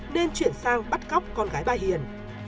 nên chuyển sang bắt cóc con gái bà hiền